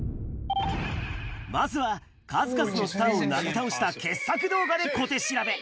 まずは、数々のスターをなぎ倒した傑作動画で小手調べ。